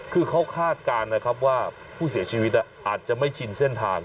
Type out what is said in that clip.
คือเขาคาดการณ์นะครับว่าผู้เสียชีวิตอาจจะไม่ชินเส้นทาง